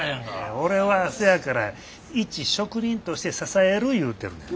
俺はせやから一職人として支えるいうてるねん。